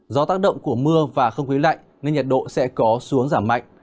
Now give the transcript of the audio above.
do tác động của mưa và không khí lạnh nên nhiệt độ sẽ có xuống giảm mạnh